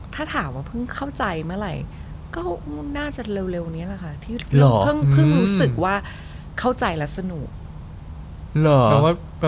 ถ้าถามว่าเพิ่งเข้าใจเมื่อไหร่ก็น่าจะเร็วนี้แหละค่ะที่เราเพิ่งรู้สึกว่าเข้าใจและสนุก